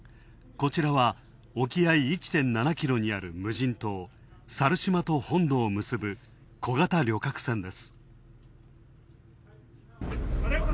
こちらは沖合い１．７キロにある無人島、猿島と本土を結ぶ小型旅客船です。